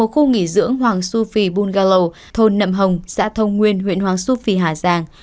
khu nghỉ dưỡng hoàng su phi bungalow thôn nậm hồng xã thông nguyên huyện hoàng su phi hà giang